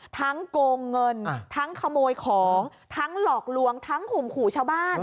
โกงเงินทั้งขโมยของทั้งหลอกลวงทั้งข่มขู่ชาวบ้าน